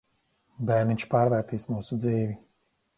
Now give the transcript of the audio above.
Bērniņš pārvērtīs mūsu dzīvi.